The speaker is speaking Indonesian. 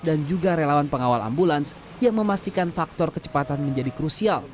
dan juga relawan pengawal ambulans yang memastikan faktor kecepatan menjadi krusial